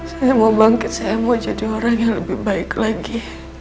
saya mau bangkit saya mau jadi orang yang lebih baik lagi